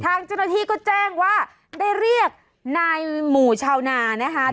ทางเจ้าหน้าที่ก็แจ้งว่าได้เรียกนายหมู่ชาวนานะคะ